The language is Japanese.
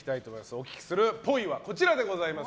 お聞きするぽいはこちらでございます。